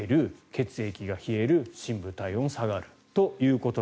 血液が冷える深部体温が下がると。